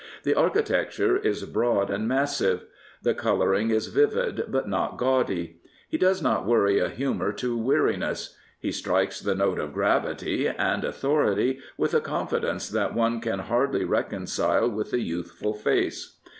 The architecture is broad and massive. The colouring is vivid, but not gaudy. He does not worry a humour to weariness. He strikes the note of gravity and authority with a confidence that one can hardly reconcile with the youthful face.